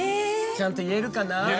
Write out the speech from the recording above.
ちゃんと言えるかな？